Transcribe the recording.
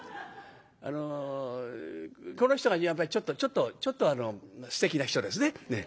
あのこの人がやっぱりちょっとすてきな人ですね。